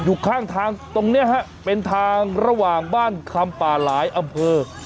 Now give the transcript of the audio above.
อยู่ข้างทางตรงนี้ฮะเป็นทางระหว่างบ้านคำป่าหลายอำเภอ